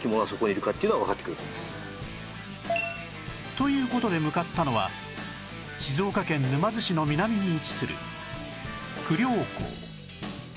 という事で向かったのは静岡県沼津市の南に位置する久料港